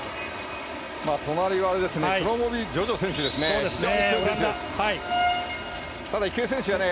隣はクロモビジョジョ選手ですね。